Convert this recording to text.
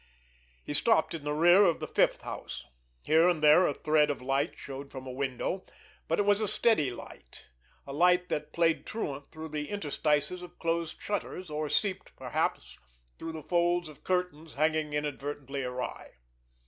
He stopped in the rear of the fifth house. Here and there a thread of light showed from a window, but it was a stealthy light, a light that played truant through the interstices of closed shutters, or seeped perhaps through the folds of curtains hanging inadvertently awry.